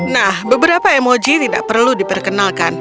nah beberapa emoji tidak perlu diperkenalkan